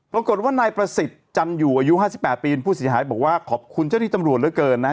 ปรากฏว่านายประศิษฐ์จันทร์อยู่อายุ๕๘ปีมีผู้ศิษฐาบอกว่าขอบคุณเเจ้าที่จำรวรลไปเกินนะฮะ